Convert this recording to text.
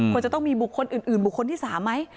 ควรจะต้องมีบุคคลอื่นบุคคลที่๓ไหม